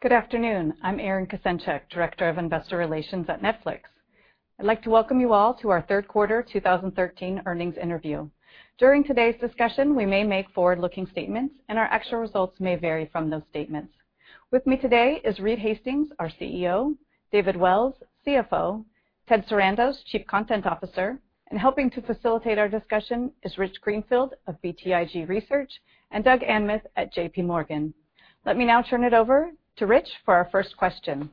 Good afternoon. I'm Erin Kasenchak, Director of Investor Relations at Netflix. I'd like to welcome you all to our third quarter 2013 earnings interview. During today's discussion, we may make forward-looking statements, and our actual results may vary from those statements. With me today is Reed Hastings, our CEO, David Wells, CFO, Ted Sarandos, Chief Content Officer, and helping to facilitate our discussion is Rich Greenfield of BTIG Research, and Doug Anmuth at JPMorgan. Let me now turn it over to Rich for our first question.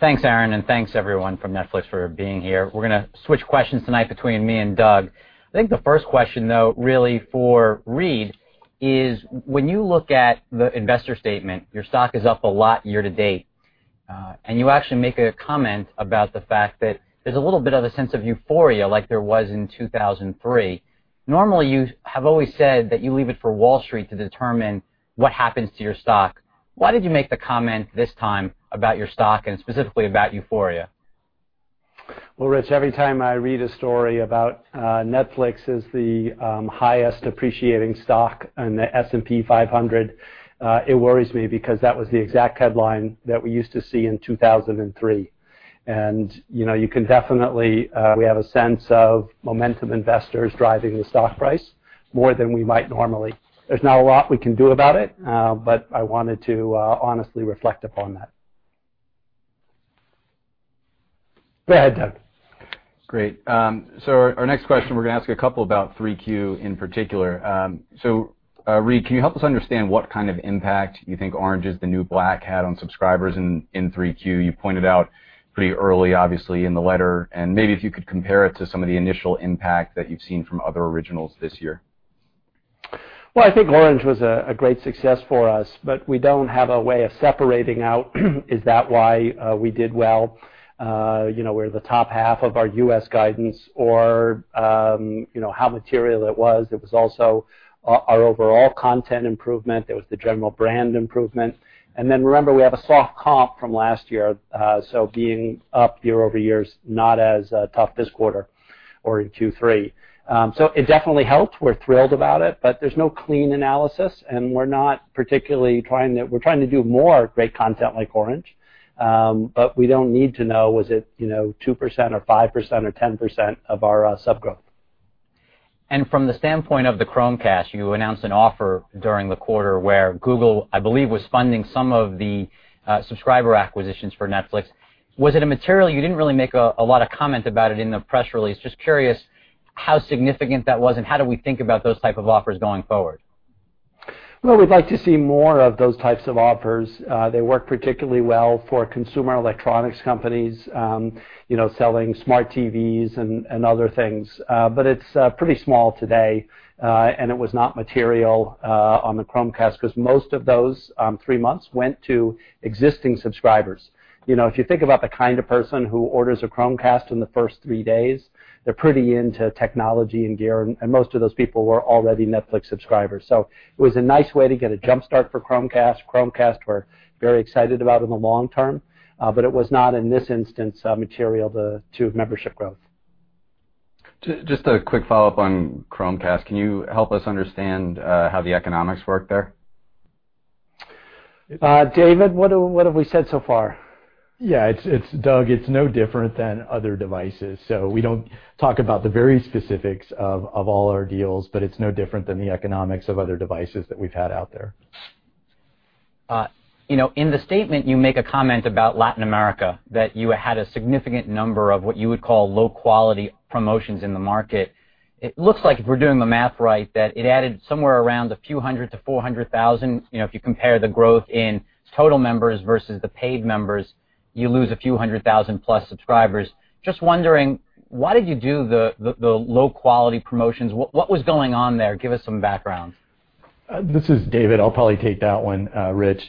Thanks, Erin, and thanks everyone from Netflix for being here. We're going to switch questions tonight between me and Doug. I think the first question though, really for Reed is, when you look at the investor statement, your stock is up a lot year to date. You actually make a comment about the fact that there's a little bit of a sense of euphoria like there was in 2003. Normally, you have always said that you leave it for Wall Street to determine what happens to your stock. Why did you make the comment this time about your stock, and specifically about euphoria? Well, Rich, every time I read a story about Netflix is the highest appreciating stock on the S&P 500, it worries me because that was the exact headline that we used to see in 2003. We have a sense of momentum investors driving the stock price more than we might normally. There's not a lot we can do about it, but I wanted to honestly reflect upon that. Go ahead, Doug. Great. Our next question, we're going to ask a couple about 3Q in particular. Reed, can you help us understand what kind of impact you think Orange Is the New Black had on subscribers in 3Q? You pointed out pretty early, obviously, in the letter, maybe if you could compare it to some of the initial impact that you've seen from other originals this year. Well, I think Orange Is the New Black was a great success for us, we don't have a way of separating out is that why we did well? We're the top half of our U.S. guidance or how material it was. It was also our overall content improvement. It was the general brand improvement. Remember, we have a soft comp from last year. Being up year-over-year is not as tough this quarter or in Q3. It definitely helped. We're thrilled about it, there's no clean analysis and we're trying to do more great content like Orange Is the New Black. We don't need to know was it 2% or 5% or 10% of our sub growth. From the standpoint of the Chromecast, you announced an offer during the quarter where Google, I believe, was funding some of the subscriber acquisitions for Netflix. Was it a material? You didn't really make a lot of comment about it in the press release. Just curious how significant that was and how do we think about those type of offers going forward? Well, we'd like to see more of those types of offers. They work particularly well for consumer electronics companies selling smart TVs and other things. It's pretty small today. It was not material on the Chromecast because most of those three months went to existing subscribers. If you think about the kind of person who orders a Chromecast in the first three days, they're pretty into technology and gear, and most of those people were already Netflix subscribers. It was a nice way to get a jump start for Chromecast. Chromecast we're very excited about in the long term. It was not, in this instance, material to membership growth. Just a quick follow-up on Chromecast. Can you help us understand how the economics work there? David, what have we said so far? Yeah, Doug, it's no different than other devices. We don't talk about the very specifics of all our deals, it's no different than the economics of other devices that we've had out there. In the statement, you make a comment about Latin America, that you had a significant number of what you would call low-quality promotions in the market. It looks like if we're doing the math right, that it added somewhere around a few hundred to 400,000. If you compare the growth in total members versus the paid members, you lose a few hundred thousand plus subscribers. Just wondering, why did you do the low-quality promotions? What was going on there? Give us some background. This is David. I'll probably take that one, Rich.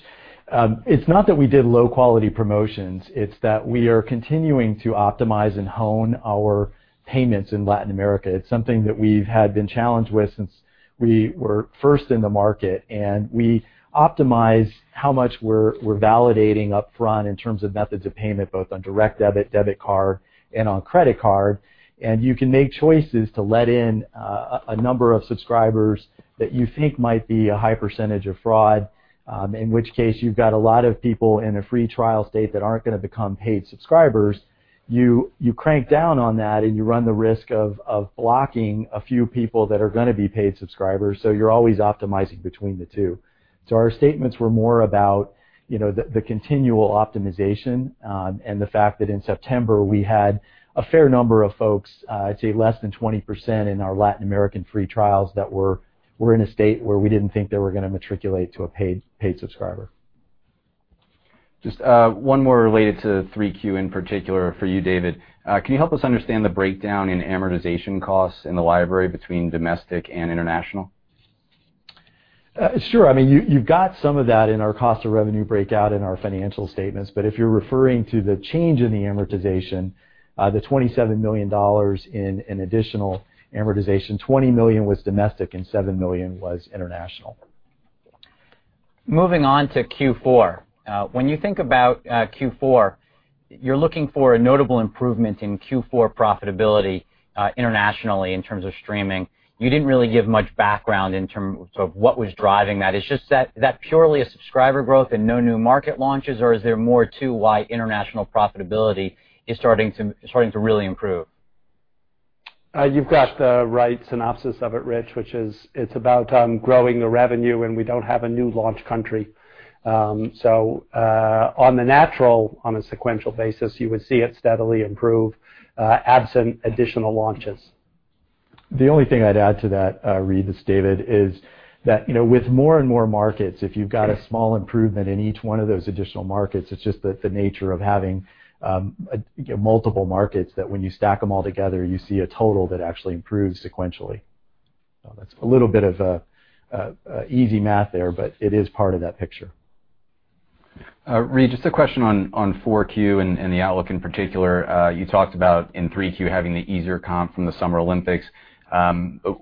It's not that we did low-quality promotions. It's that we are continuing to optimize and hone our payments in Latin America. It's something that we've had been challenged with since we were first in the market. We optimize how much we're validating upfront in terms of methods of payment, both on direct debit card, and on credit card. You can make choices to let in a number of subscribers that you think might be a high percentage of fraud, in which case you've got a lot of people in a free trial state that aren't going to become paid subscribers. You crank down on that and you run the risk of blocking a few people that are going to be paid subscribers. You're always optimizing between the two. Our statements were more about the continual optimization, and the fact that in September we had a fair number of folks, I'd say less than 20% in our Latin American free trials that were in a state where we didn't think they were going to matriculate to a paid subscriber. Just one more related to 3Q in particular for you, David. Can you help us understand the breakdown in amortization costs in the library between domestic and international? Sure. You've got some of that in our cost of revenue breakout in our financial statements, but if you're referring to the change in the amortization, the $27 million in additional amortization, $20 million was domestic and $7 million was international. Moving on to Q4. You're looking for a notable improvement in Q4 profitability internationally in terms of streaming. You didn't really give much background in terms of what was driving that. Is that purely a subscriber growth and no new market launches, or is there more to why international profitability is starting to really improve? You've got the right synopsis of it, Rich, which is it's about growing the revenue. We don't have a new launch country. On the natural, on a sequential basis, you would see it steadily improve absent additional launches. The only thing I'd add to that, Reed, is, David, is that with more and more markets, if you've got a small improvement in each one of those additional markets, it's just the nature of having multiple markets, that when you stack them all together, you see a total that actually improves sequentially. That's a little bit of easy math there, it is part of that picture. Reed, just a question on 4Q and the outlook in particular. You talked about in 3Q having the easier comp from the Summer Olympics.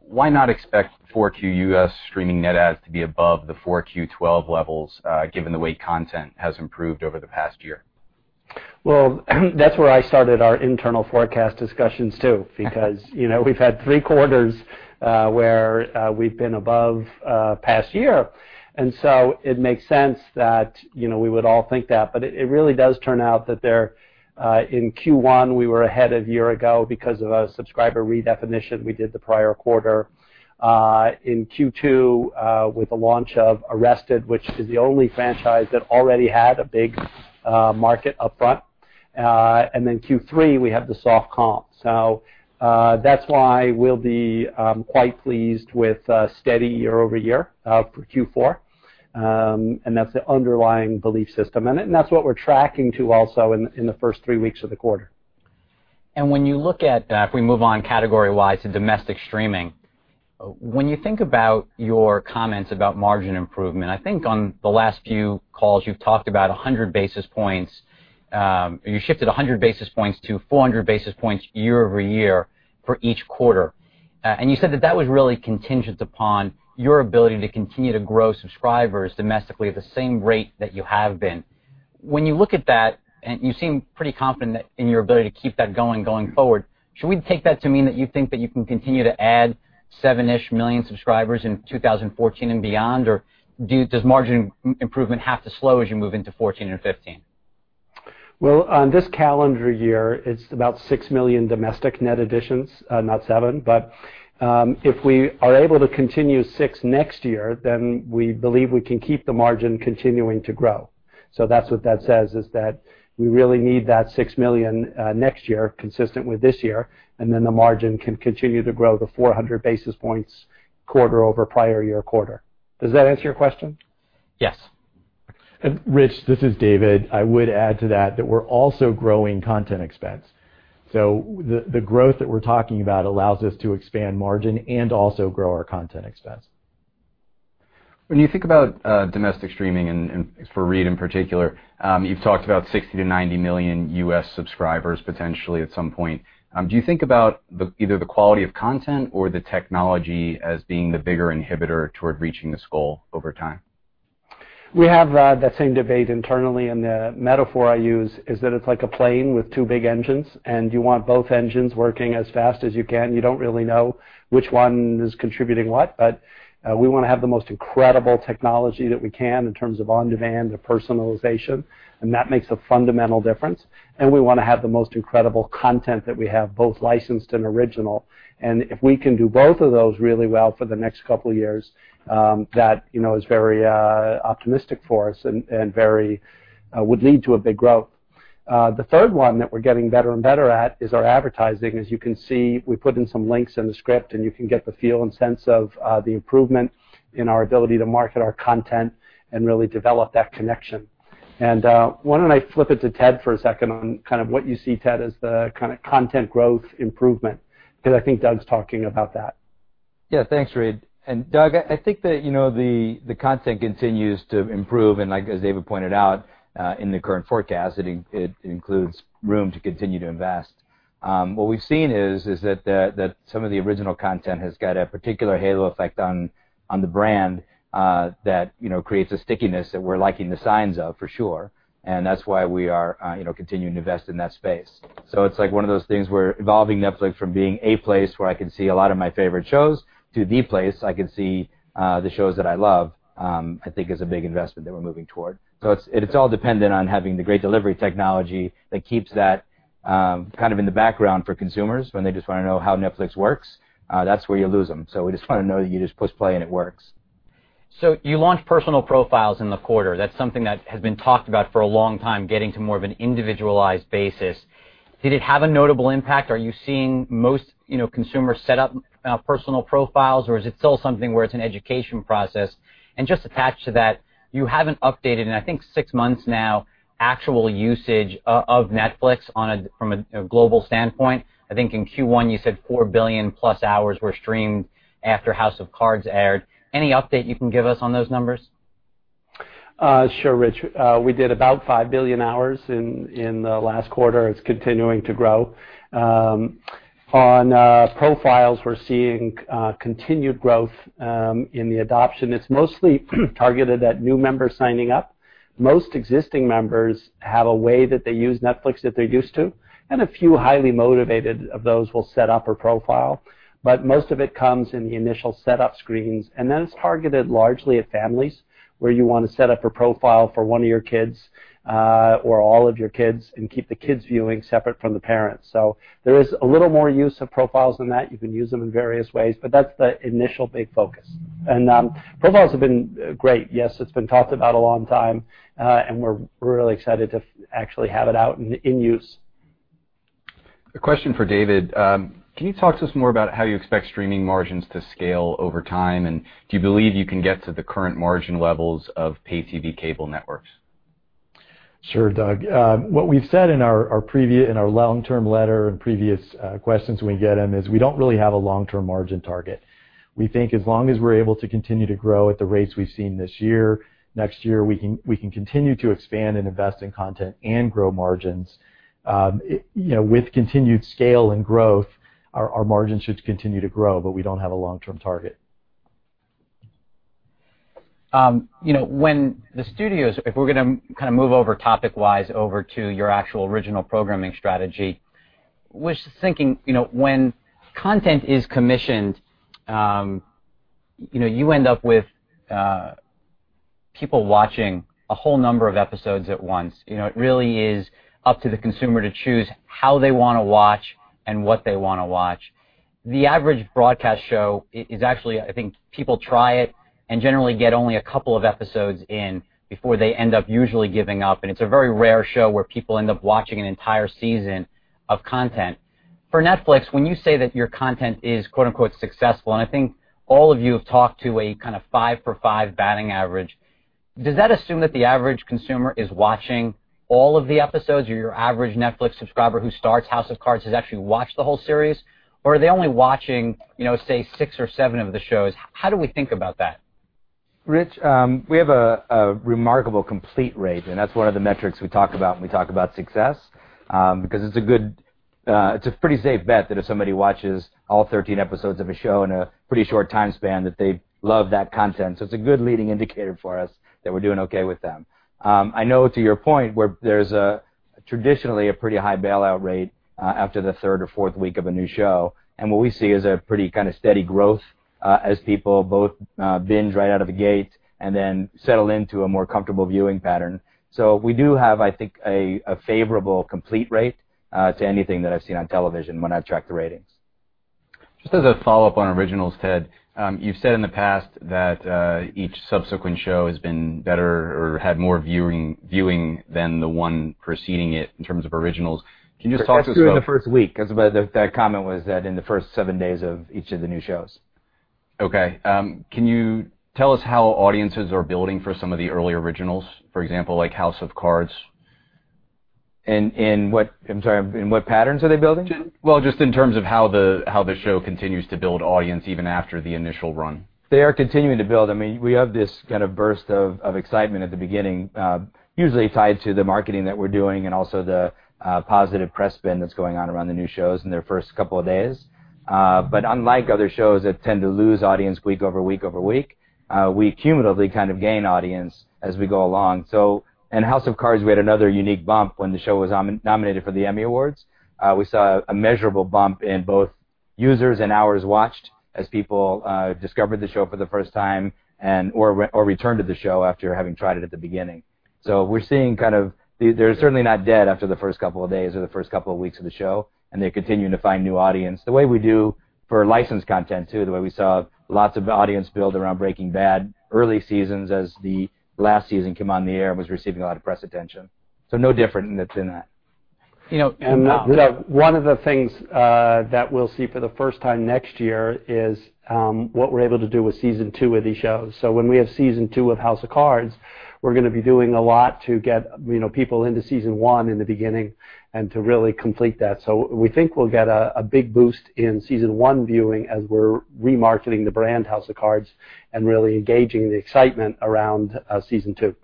Why not expect 4Q U.S. streaming net adds to be above the 4Q 2012 levels, given the way content has improved over the past year? Well, that's where I started our internal forecast discussions, too, because we've had three quarters where we've been above past year. It makes sense that we would all think that. It really does turn out that in Q1 we were ahead of a year ago because of a subscriber redefinition we did the prior quarter. In Q2, with the launch of "Arrested," which is the only franchise that already had a big market up front. Q3, we have the soft comp. That's why we'll be quite pleased with a steady year-over-year for Q4. That's the underlying belief system. That's what we're tracking to also in the first three weeks of the quarter. When you look at that, if we move on category-wise to domestic streaming, when you think about your comments about margin improvement, I think on the last few calls, you've talked about You shifted 100 basis points to 400 basis points year-over-year for each quarter. You said that that was really contingent upon your ability to continue to grow subscribers domestically at the same rate that you have been. When you look at that, and you seem pretty confident in your ability to keep that going forward. Should we take that to mean that you think that you can continue to add seven-ish million subscribers in 2014 and beyond, or does margin improvement have to slow as you move into 2014 and 2015? Well, on this calendar year, it's about 6 million domestic net additions, not 7. If we are able to continue 6 next year, then we believe we can keep the margin continuing to grow. That's what that says, is that we really need that 6 million next year, consistent with this year, and then the margin can continue to grow the 400 basis points quarter over prior year quarter. Does that answer your question? Yes. Rich, this is David. I would add to that we're also growing content expense. The growth that we're talking about allows us to expand margin and also grow our content expense. When you think about domestic streaming and for Reed, in particular, you've talked about 60 to 90 million U.S. subscribers potentially at some point. Do you think about either the quality of content or the technology as being the bigger inhibitor toward reaching this goal over time? We have that same debate internally, the metaphor I use is that it's like a plane with two big engines, you want both engines working as fast as you can. You don't really know which one is contributing what, we want to have the most incredible technology that we can in terms of on-demand and personalization, that makes a fundamental difference. We want to have the most incredible content that we have, both licensed and original. If we can do both of those really well for the next couple of years, that is very optimistic for us and would lead to a big growth. The third one that we're getting better and better at is our advertising. As you can see, we put in some links in the script, you can get the feel and sense of the improvement in our ability to market our content and really develop that connection. Why don't I flip it to Ted for a second on kind of what you see, Ted, as the kind of content growth improvement. Because I think Doug's talking about that. Yeah, thanks, Reed. Doug, I think that the content continues to improve, as David pointed out, in the current forecast, it includes room to continue to invest. What we've seen is that some of the original content has got a particular halo effect on the brand that creates a stickiness that we're liking the signs of, for sure, that's why we are continuing to invest in that space. It's like one of those things where evolving Netflix from being a place where I can see a lot of my favorite shows to the place I can see the shows that I love, I think is a big investment that we're moving toward. It's all dependent on having the great delivery technology that keeps that kind of in the background for consumers when they just want to know how Netflix works. That's where you lose them. We just want to know that you just push play it works. You launched personal profiles in the quarter. That's something that has been talked about for a long time, getting to more of an individualized basis. Did it have a notable impact? Are you seeing most consumers set up personal profiles, or is it still something where it's an education process? Just attached to that, you haven't updated in, I think, 6 months now, actual usage of Netflix from a global standpoint. I think in Q1 you said 4 billion plus hours were streamed after "House of Cards" aired. Any update you can give us on those numbers? Sure, Rich. We did about 5 billion hours in the last quarter. It's continuing to grow. On profiles, we're seeing continued growth in the adoption. It's mostly targeted at new members signing up. Most existing members have a way that they use Netflix that they're used to, and a few highly motivated of those will set up a profile. Most of it comes in the initial setup screens, then it's targeted largely at families, where you want to set up a profile for one of your kids, or all of your kids, and keep the kids' viewing separate from the parents. There is a little more use of profiles than that. You can use them in various ways, but that's the initial big focus. Profiles have been great. Yes, it's been talked about a long time, we're really excited to actually have it out in use. A question for David. Can you talk to us more about how you expect streaming margins to scale over time? Do you believe you can get to the current margin levels of pay TV cable networks? Sure, Doug. What we've said in our long-term letter and previous questions we get them is we don't really have a long-term margin target. We think as long as we're able to continue to grow at the rates we've seen this year, next year, we can continue to expand and invest in content and grow margins. With continued scale and growth, our margins should continue to grow, but we don't have a long-term target. When the studios, if we're going to kind of move over topic-wise over to your actual original programming strategy. Was just thinking, when content is commissioned, you end up with people watching a whole number of episodes at once. It really is up to the consumer to choose how they want to watch and what they want to watch. The average broadcast show is actually, I think, people try it and generally get only a couple of episodes in before they end up usually giving up, and it's a very rare show where people end up watching an entire season of content. For Netflix, when you say that your content is "successful," and I think all of you have talked to a kind of five for five batting average, does that assume that the average consumer is watching all of the episodes? Your average Netflix subscriber who starts "House of Cards" has actually watched the whole series? Are they only watching, say, six or seven of the shows? How do we think about that? Rich, we have a remarkable complete rate, and that's one of the metrics we talk about when we talk about success, because it's a pretty safe bet that if somebody watches all 13 episodes of a show in a pretty short time span, that they love that content. It's a good leading indicator for us that we're doing okay with them. I know to your point, where there's traditionally a pretty high bailout rate after the third or fourth week of a new show, and what we see is a pretty steady growth as people both binge right out of the gate and then settle into a more comfortable viewing pattern. We do have, I think, a favorable complete rate to anything that I've seen on television when I've tracked the ratings. Just as a follow-up on originals, Ted. You've said in the past that each subsequent show has been better or had more viewing than the one preceding it in terms of originals. Can you just talk to us about- That's true in the first week. That comment was that in the first seven days of each of the new shows. Okay. Can you tell us how audiences are building for some of the early originals? For example, like "House of Cards. I'm sorry, in what patterns are they building? Well, just in terms of how the show continues to build audience even after the initial run. They are continuing to build. We have this kind of burst of excitement at the beginning, usually tied to the marketing that we're doing and also the positive press spin that's going on around the new shows in their first couple of days. Unlike other shows that tend to lose audience week over week over week, we cumulatively kind of gain audience as we go along. In "House of Cards," we had another unique bump when the show was nominated for the Emmy Awards. We saw a measurable bump in both users and hours watched as people discovered the show for the first time or returned to the show after having tried it at the beginning. We're seeing they're certainly not dead after the first couple of days or the first couple of weeks of the show, and they continue to find new audience. The way we do for licensed content, too. The way we saw lots of audience build around "Breaking Bad" early seasons as the last season came on the air and was receiving a lot of press attention. No different than that. Doug, one of the things that we'll see for the first time next year is what we're able to do with season 2 of these shows. When we have season 2 of "House of Cards," we're going to be doing a lot to get people into season 1 in the beginning and to really complete that. We think we'll get a big boost in season 1 viewing as we're remarketing the brand "House of Cards" and really engaging the excitement around season 2.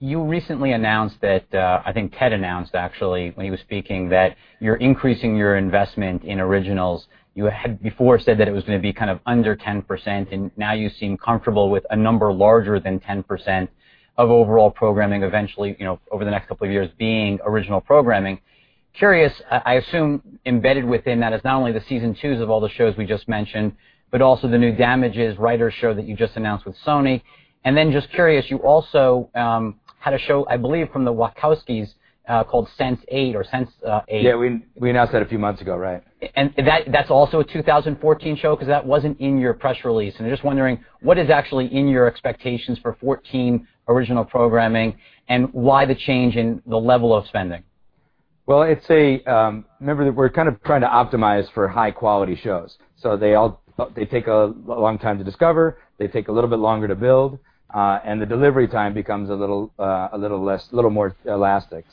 You recently announced that, I think Ted announced actually, when he was speaking, that you're increasing your investment in originals. You had before said that it was going to be kind of under 10%, and now you seem comfortable with a number larger than 10% of overall programming eventually, over the next couple of years, being original programming. Curious, I assume embedded within that is not only the season twos of all the shows we just mentioned, but also the new "Damages" writers show that you just announced with Sony. Just curious, you also had a show, I believe, from the Wachowskis called "Sense8" or "Sense8. Yeah, we announced that a few months ago, right. That's also a 2014 show, because that wasn't in your press release. I'm just wondering what is actually in your expectations for 2014 original programming, and why the change in the level of spending? Well, remember that we're kind of trying to optimize for high-quality shows. They take a long time to discover, they take a little bit longer to build, and the delivery time becomes a little more elastic.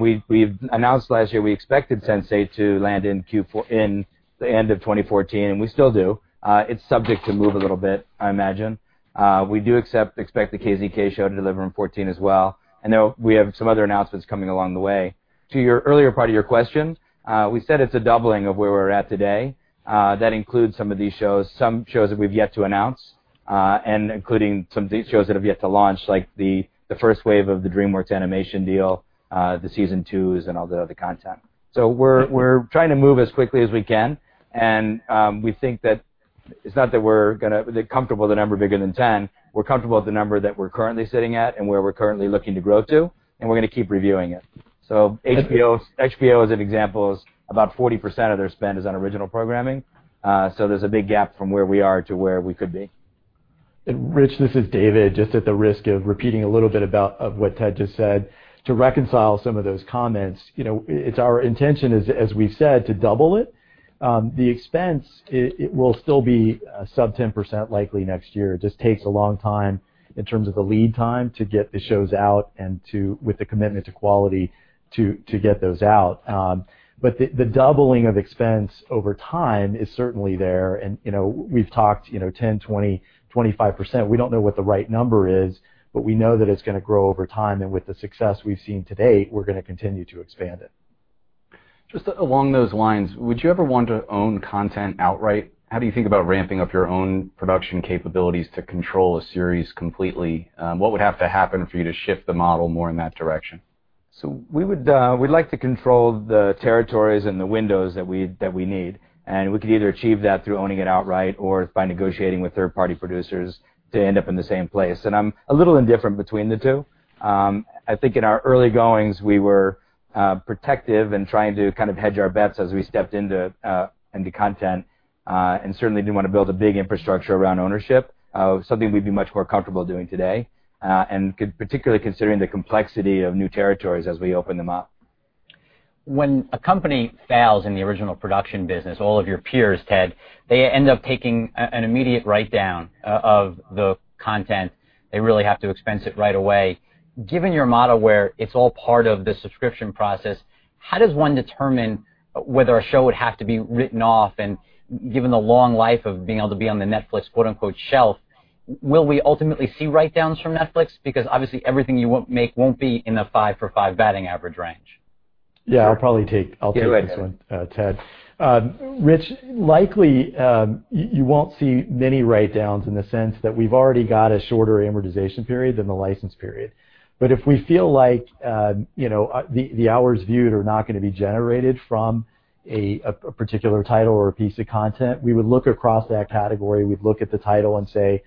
We've announced last year we expected "Sense8" to land in the end of 2014, and we still do. It's subject to move a little bit, I imagine. We do expect "The KZK Show" to deliver in 2014 as well. I know we have some other announcements coming along the way. To your earlier part of your question, we said it's a doubling of where we're at today. That includes some of these shows, some shows that we've yet to announce, and including some of these shows that have yet to launch, like the first wave of the DreamWorks Animation deal, the season twos, and all the other content. We're trying to move as quickly as we can, we think that it's not that we're going to be comfortable with a number bigger than 10. We're comfortable with the number that we're currently sitting at and where we're currently looking to grow to, we're going to keep reviewing it. HBO, as an example, about 40% of their spend is on original programming. There's a big gap from where we are to where we could be. Rich, this is David. Just at the risk of repeating a little bit of what Ted just said, to reconcile some of those comments, it's our intention, as we've said, to double it. The expense will still be sub 10% likely next year. It just takes a long time in terms of the lead time to get the shows out and with the commitment to quality to get those out. The doubling of expense over time is certainly there, we've talked 10%, 20%, 25%. We don't know what the right number is, we know that it's going to grow over time, with the success we've seen to date, we're going to continue to expand it. Just along those lines, would you ever want to own content outright? How do you think about ramping up your own production capabilities to control a series completely? What would have to happen for you to shift the model more in that direction? We'd like to control the territories and the windows that we need, we could either achieve that through owning it outright or by negotiating with third-party producers to end up in the same place. I'm a little indifferent between the two. I think in our early goings, we were protective and trying to kind of hedge our bets as we stepped into content certainly didn't want to build a big infrastructure around ownership, something we'd be much more comfortable doing today, particularly considering the complexity of new territories as we open them up. When a company fails in the original production business, all of your peers, Ted, they end up taking an immediate write-down of the content. They really have to expense it right away. Given your model where it's all part of the subscription process, how does one determine whether a show would have to be written off? Given the long life of being able to be on the Netflix "shelf," will we ultimately see write-downs from Netflix? Obviously everything you make won't be in the five for five batting average range. Yeah, I'll probably take this one, Ted. Rich, likely you won't see many write-downs in the sense that we've already got a shorter amortization period than the license period. If we feel like the hours viewed are not going to be generated from a particular title or a piece of content, we would look across that category. We'd look at the title and say,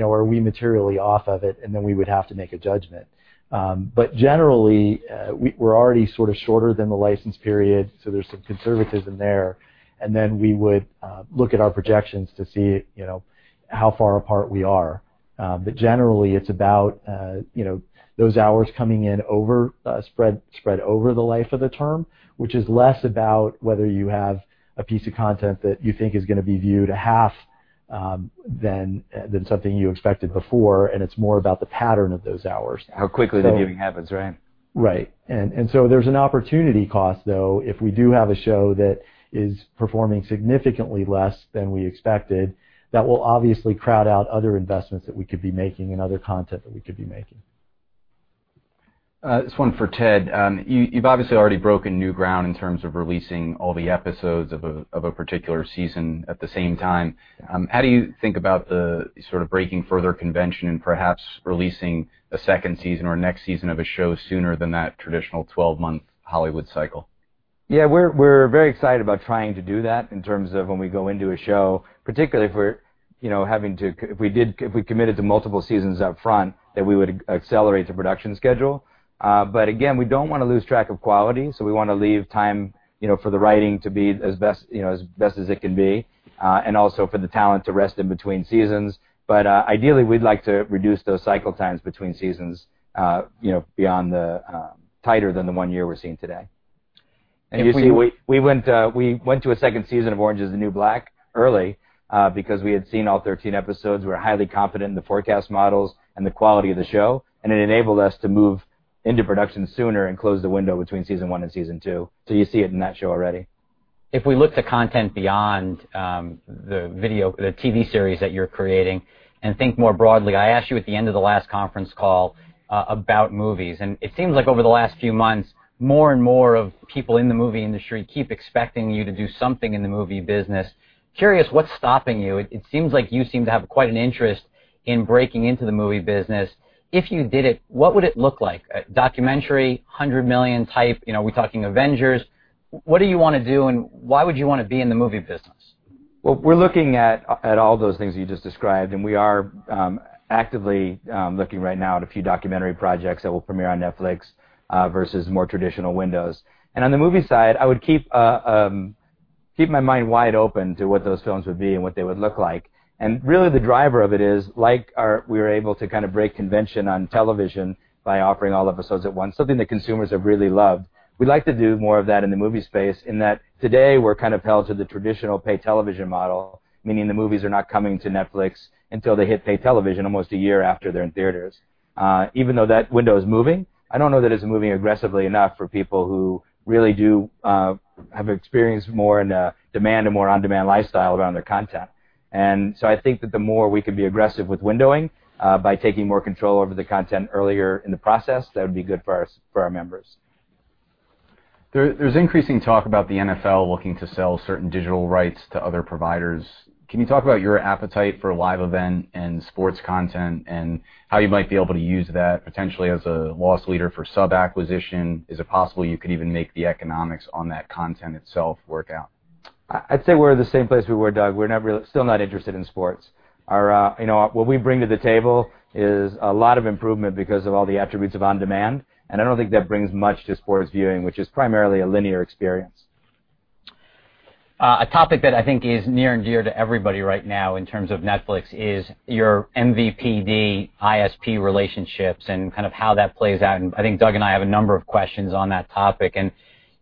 "Are we materially off of it?" Then we would have to make a judgment. Generally, we're already sort of shorter than the license period, so there's some conservatism there. Then we would look at our projections to see how far apart we are. Generally, it's about those hours coming in spread over the life of the term, which is less about whether you have a piece of content that you think is going to be viewed a half than something you expected before, and it's more about the pattern of those hours. How quickly the viewing happens, right? Right. There's an opportunity cost, though, if we do have a show that is performing significantly less than we expected, that will obviously crowd out other investments that we could be making and other content that we could be making. This one's for Ted. You've obviously already broken new ground in terms of releasing all the episodes of a particular season at the same time. How do you think about the sort of breaking further convention and perhaps releasing a second season or next season of a show sooner than that traditional 12-month Hollywood cycle? Yeah, we're very excited about trying to do that in terms of when we go into a show, particularly if we committed to multiple seasons up front, that we would accelerate the production schedule. Again, we don't want to lose track of quality, so we want to leave time for the writing to be as best as it can be, and also for the talent to rest in between seasons. Ideally, we'd like to reduce those cycle times between seasons tighter than the one year we're seeing today. We went to a second season of "Orange Is the New Black" early because we had seen all 13 episodes. We were highly confident in the forecast models and the quality of the show, and it enabled us to move into production sooner and close the window between season 1 and season 2. You see it in that show already. If we look to content beyond the TV series that you're creating and think more broadly, I asked you at the end of the last conference call about movies. It seems like over the last few months, more and more of people in the movie industry keep expecting you to do something in the movie business. Curious, what's stopping you? It seems like you seem to have quite an interest in breaking into the movie business. If you did it, what would it look like? A documentary, $100 million type, are we talking Avengers? What do you want to do, and why would you want to be in the movie business? Well, we're looking at all those things you just described. We are actively looking right now at a few documentary projects that will premiere on Netflix versus more traditional windows. On the movie side, I would keep my mind wide open to what those films would be and what they would look like. Really the driver of it is, like we were able to kind of break convention on television by offering all episodes at once, something the consumers have really loved. We'd like to do more of that in the movie space in that today we're kind of held to the traditional pay television model, meaning the movies are not coming to Netflix until they hit pay television almost a year after they're in theaters. Even though that window is moving, I don't know that it's moving aggressively enough for people who really do have experience more in a demand and more on-demand lifestyle around their content. I think that the more we can be aggressive with windowing by taking more control over the content earlier in the process, that would be good for our members. There's increasing talk about the NFL looking to sell certain digital rights to other providers. Can you talk about your appetite for a live event and sports content, and how you might be able to use that potentially as a loss leader for sub-acquisition? Is it possible you could even make the economics on that content itself work out? I'd say we're at the same place we were, Doug. We're still not interested in sports. What we bring to the table is a lot of improvement because of all the attributes of on-demand. I don't think that brings much to sports viewing, which is primarily a linear experience. A topic that I think is near and dear to everybody right now in terms of Netflix is your MVPD, ISP relationships and kind of how that plays out. I think Doug and I have a number of questions on that topic.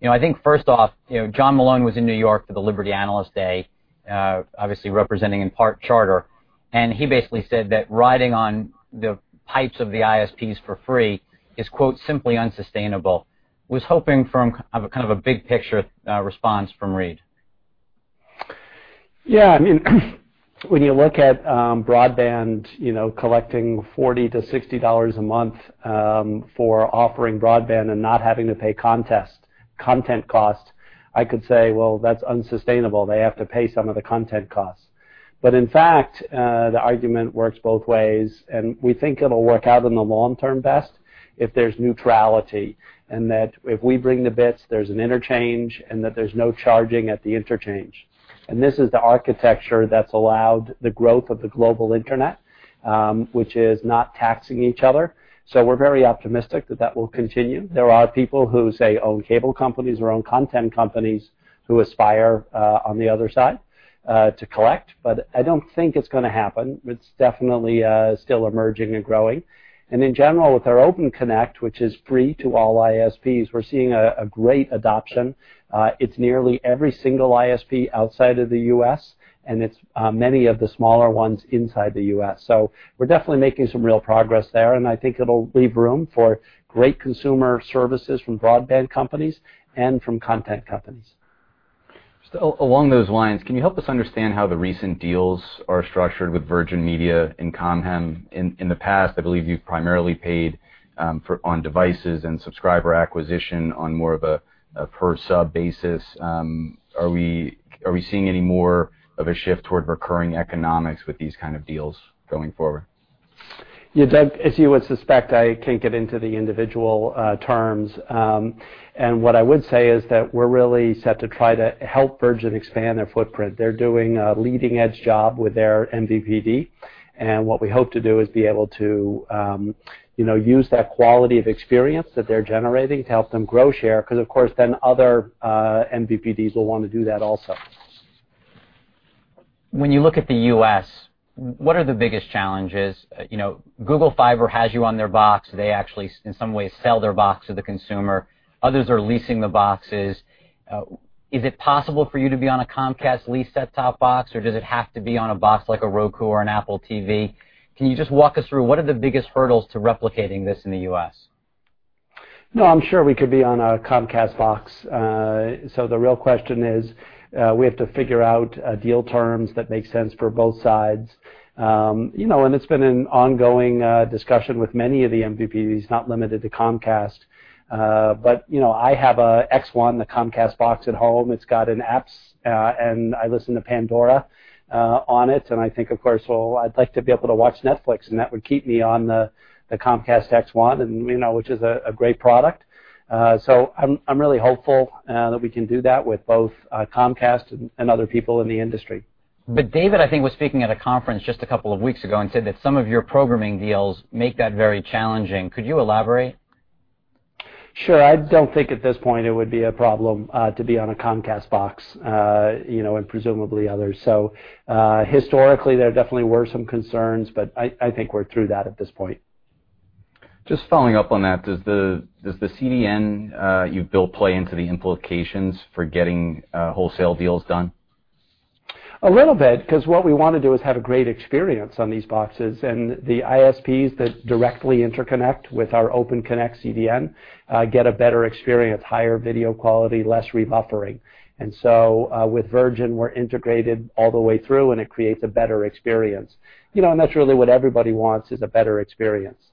I think first off, John Malone was in New York for the Liberty Analyst Day, obviously representing in part Charter. He basically said that riding on the pipes of the ISPs for free is, quote, "simply unsustainable." Was hoping for kind of a big picture response from Reed. Yeah. When you look at broadband collecting $40 to $60 a month for offering broadband and not having to pay content cost, I could say, well, that's unsustainable. They have to pay some of the content costs. In fact, the argument works both ways. We think it'll work out in the long term best if there's neutrality. If we bring the bits, there's an interchange. There's no charging at the interchange. This is the architecture that's allowed the growth of the global internet, which is not taxing each other. We're very optimistic that that will continue. There are people who, say, own cable companies or own content companies who aspire on the other side to collect. I don't think it's going to happen. It's definitely still emerging and growing. In general, with our Open Connect, which is free to all ISPs, we're seeing a great adoption. It's nearly every single ISP outside of the U.S. It's many of the smaller ones inside the U.S. We're definitely making some real progress there. I think it'll leave room for great consumer services from broadband companies and from content companies. Along those lines, can you help us understand how the recent deals are structured with Virgin Media and Com Hem? In the past, I believe you've primarily paid on devices and subscriber acquisition on more of a per sub basis. Are we seeing any more of a shift toward recurring economics with these kind of deals going forward? Yeah, Doug, as you would suspect, I can't get into the individual terms. What I would say is that we're really set to try to help Virgin expand their footprint. They're doing a leading-edge job with their MVPD. What we hope to do is be able to use that quality of experience that they're generating to help them grow share because, of course, then other MVPDs will want to do that also. When you look at the U.S., what are the biggest challenges? Google Fiber has you on their box. They actually, in some ways, sell their box to the consumer. Others are leasing the boxes. Is it possible for you to be on a Comcast-leased set-top box, or does it have to be on a box like a Roku or an Apple TV? Can you just walk us through what are the biggest hurdles to replicating this in the U.S.? No, I'm sure we could be on a Comcast box. The real question is, we have to figure out deal terms that make sense for both sides. It's been an ongoing discussion with many of the MVPDs, not limited to Comcast. I have a X1, the Comcast box at home. It's got apps, and I listen to Pandora on it. I think, of course, well, I'd like to be able to watch Netflix, and that would keep me on the Comcast X1, which is a great product. I'm really hopeful that we can do that with both Comcast and other people in the industry. David, I think, was speaking at a conference just a couple of weeks ago and said that some of your programming deals make that very challenging. Could you elaborate? Sure. I don't think at this point it would be a problem to be on a Comcast box, and presumably others. Historically, there definitely were some concerns, I think we're through that at this point. Just following up on that, does the CDN you built play into the implications for getting wholesale deals done? A little bit because what we want to do is have a great experience on these boxes, and the ISPs that directly interconnect with our Open Connect CDN get a better experience, higher video quality, less rebuffering. With Virgin, we're integrated all the way through, and it creates a better experience. That's really what everybody wants is a better experience.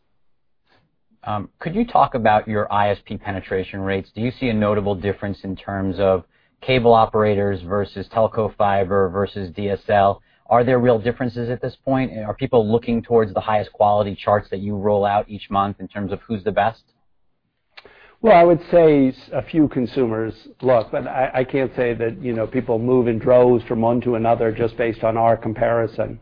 Could you talk about your ISP penetration rates? Do you see a notable difference in terms of cable operators versus telco fiber versus DSL? Are there real differences at this point? Are people looking towards the highest quality charts that you roll out each month in terms of who's the best? Well, I would say a few consumers look, but I can't say that people move in droves from one to another just based on our comparison.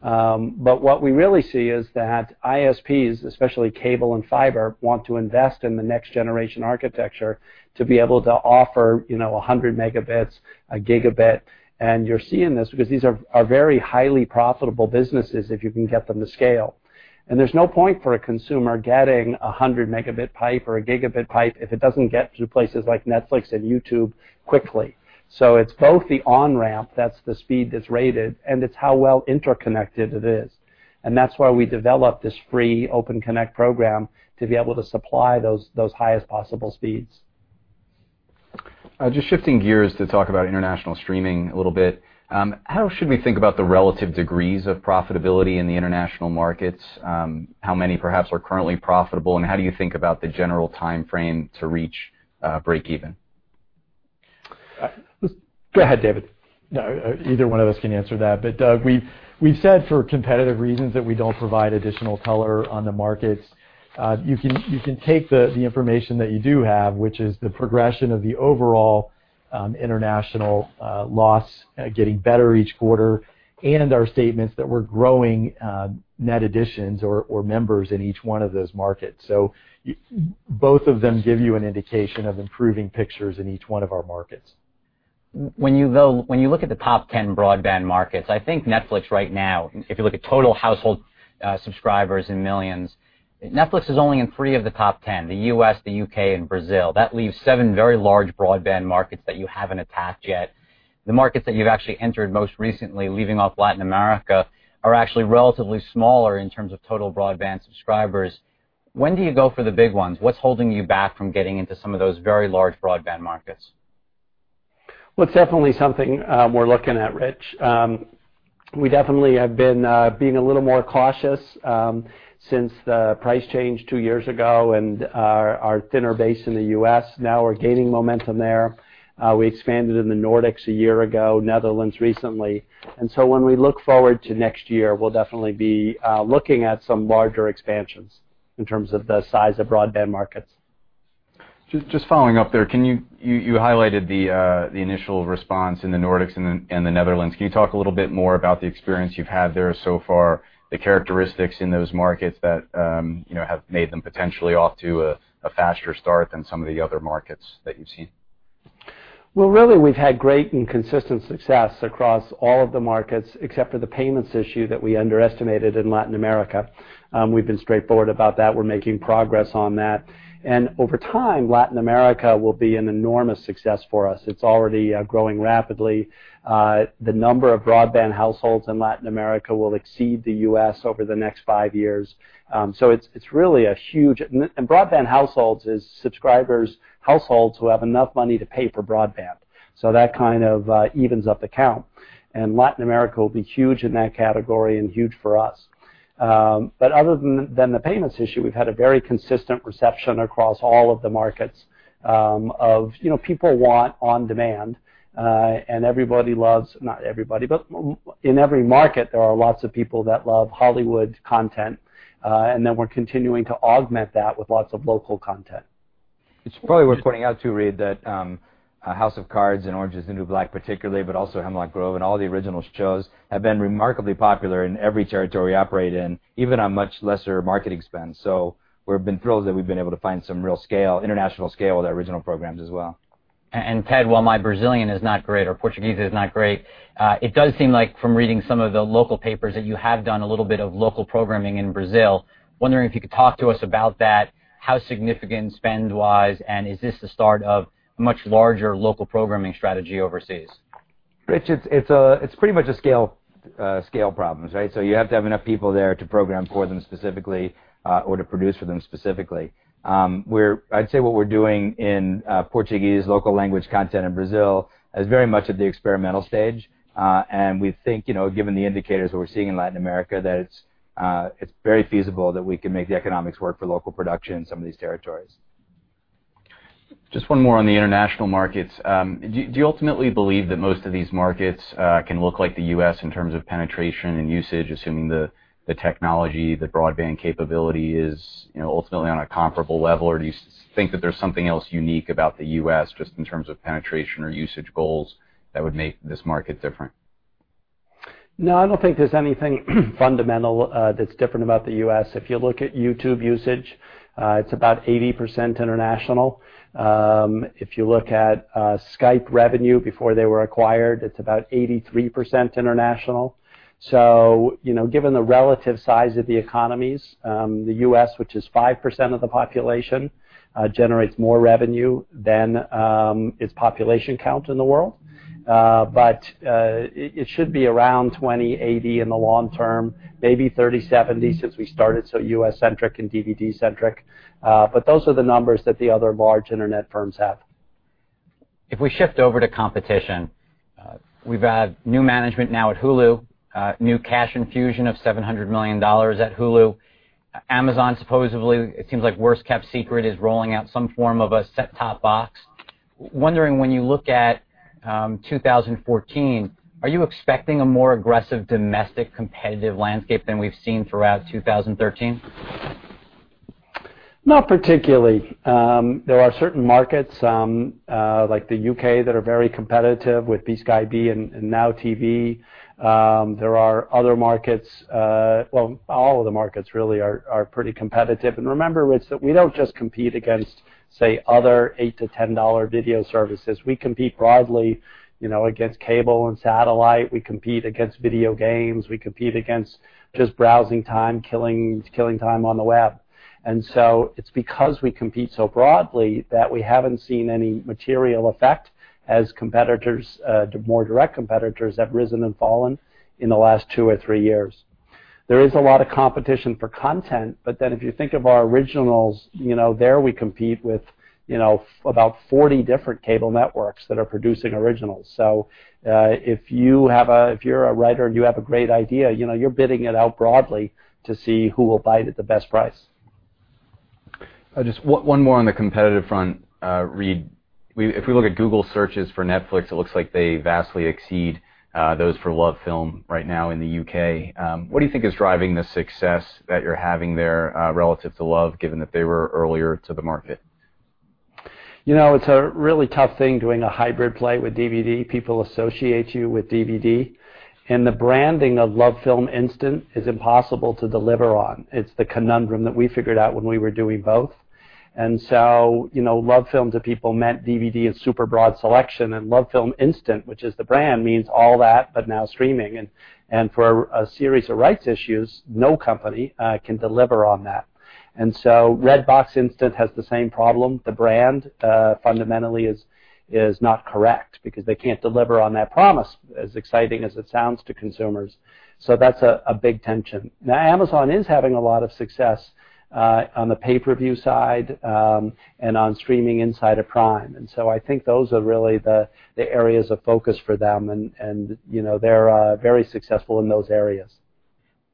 What we really see is that ISPs, especially cable and fiber, want to invest in the next-generation architecture to be able to offer 100 megabits, a gigabit, and you're seeing this because these are very highly profitable businesses if you can get them to scale. There's no point for a consumer getting 100 megabit pipe or a gigabit pipe if it doesn't get to places like Netflix and YouTube quickly. It's both the on-ramp, that's the speed that's rated, and it's how well interconnected it is. That's why we developed this free Open Connect program to be able to supply those highest possible speeds. Just shifting gears to talk about international streaming a little bit. How should we think about the relative degrees of profitability in the international markets? How many perhaps are currently profitable, and how do you think about the general timeframe to reach break even? Go ahead, David. No, either one of us can answer that. Doug, we've said for competitive reasons that we don't provide additional color on the markets. You can take the information that you do have, which is the progression of the overall international loss getting better each quarter, and our statements that we're growing net additions or members in each one of those markets. Both of them give you an indication of improving pictures in each one of our markets. When you look at the top 10 broadband markets, I think Netflix right now, if you look at total household subscribers in millions, Netflix is only in three of the top 10: the U.S., the U.K., and Brazil. That leaves seven very large broadband markets that you haven't attacked yet. The markets that you've actually entered most recently, leaving off Latin America, are actually relatively smaller in terms of total broadband subscribers. When do you go for the big ones? What's holding you back from getting into some of those very large broadband markets? Well, it's definitely something we're looking at, Rich. We definitely have been being a little more cautious since the price change two years ago and our thinner base in the U.S. Now we're gaining momentum there. We expanded in the Nordics a year ago, Netherlands recently. When we look forward to next year, we'll definitely be looking at some larger expansions in terms of the size of broadband markets. Just following up there, you highlighted the initial response in the Nordics and the Netherlands. Can you talk a little bit more about the experience you've had there so far, the characteristics in those markets that have made them potentially off to a faster start than some of the other markets that you've seen? Well, really, we've had great and consistent success across all of the markets, except for the payments issue that we underestimated in Latin America. We've been straightforward about that. We're making progress on that. Over time, Latin America will be an enormous success for us. It's already growing rapidly. The number of broadband households in Latin America will exceed the U.S. over the next five years. It's really huge. Broadband households is subscribers, households who have enough money to pay for broadband. That kind of evens up the count. Latin America will be huge in that category and huge for us. Other than the payments issue, we've had a very consistent reception across all of the markets of people want on-demand, and everybody loves, not everybody, but in every market, there are lots of people that love Hollywood content, then we're continuing to augment that with lots of local content. It's probably worth pointing out too, Reed, that "House of Cards" and "Orange Is the New Black" particularly, but also "Hemlock Grove" and all the original shows have been remarkably popular in every territory we operate in, even on much lesser marketing spend. We've been thrilled that we've been able to find some real international scale with our original programs as well. Ted, while my Brazilian is not great or Portuguese is not great, it does seem like from reading some of the local papers that you have done a little bit of local programming in Brazil. Wondering if you could talk to us about that, how significant spend-wise, and is this the start of a much larger local programming strategy overseas? Rich, it's pretty much a scale problem, right? You have to have enough people there to program for them specifically or to produce for them specifically. I'd say what we're doing in Portuguese local language content in Brazil is very much at the experimental stage. We think, given the indicators that we're seeing in Latin America, that it's very feasible that we can make the economics work for local production in some of these territories. Just one more on the international markets. Do you ultimately believe that most of these markets can look like the U.S. in terms of penetration and usage, assuming the technology, the broadband capability is ultimately on a comparable level? Do you think that there's something else unique about the U.S. just in terms of penetration or usage goals that would make this market different? No, I don't think there's anything fundamental that's different about the U.S. If you look at YouTube usage, it's about 80% international. If you look at Skype revenue before they were acquired, it's about 83% international. Given the relative size of the economies, the U.S., which is 5% of the population, generates more revenue than its population count in the world. It should be around 20/80 in the long term, maybe 30/70 since we started so U.S.-centric and DVD-centric. Those are the numbers that the other large internet firms have. If we shift over to competition, we've had new management now at Hulu, new cash infusion of $700 million at Hulu. Amazon, supposedly, it seems like worst kept secret, is rolling out some form of a set-top box. Wondering when you look at 2014, are you expecting a more aggressive domestic competitive landscape than we've seen throughout 2013? Not particularly. There are certain markets, like the U.K., that are very competitive with Sky and Now TV. There are other markets, well, all of the markets really are pretty competitive. Remember, Rich, that we don't just compete against, say, other $8-$10 video services. We compete broadly against cable and satellite. We compete against video games. We compete against just browsing time, killing time on the web. It's because we compete so broadly that we haven't seen any material effect as more direct competitors have risen and fallen in the last two or three years. There is a lot of competition for content, if you think of our originals, there we compete with about 40 different cable networks that are producing originals. If you're a writer and you have a great idea, you're bidding it out broadly to see who will buy it at the best price. Just one more on the competitive front, Reed. If we look at Google searches for Netflix, it looks like they vastly exceed those for LoveFilm right now in the U.K. What do you think is driving the success that you're having there relative to LoveFilm, given that they were earlier to the market? It's a really tough thing doing a hybrid play with DVD. People associate you with DVD, and the branding of LoveFilm Instant is impossible to deliver on. It's the conundrum that we figured out when we were doing both. LoveFilm to people meant DVD and super broad selection, and LoveFilm Instant, which is the brand, means all that, but now streaming. For a series of rights issues, no company can deliver on that. Redbox Instant has the same problem. The brand, fundamentally, is not correct because they can't deliver on that promise, as exciting as it sounds to consumers. That's a big tension. Now Amazon is having a lot of success on the pay-per-view side and on streaming inside of Prime. I think those are really the areas of focus for them, and they're very successful in those areas.